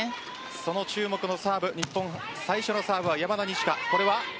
その注目のサーブ日本最初のサーブは山田二千華。